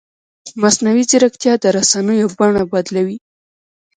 مصنوعي ځیرکتیا د رسنیو بڼه بدلوي.